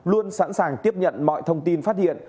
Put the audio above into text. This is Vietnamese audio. luôn sẵn sàng tiếp nhận mọi thông tin phát hiện